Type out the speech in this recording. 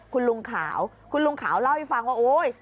คุณลุงขาวคุณลุงขาวเล่าให้ฟังว่าโอ๊ย